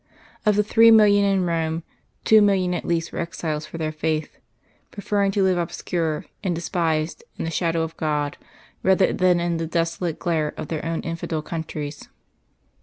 Of the three millions in Rome, two millions at least were exiles for their faith, preferring to live obscure and despised in the shadow of God rather than in the desolate glare of their own infidel countries.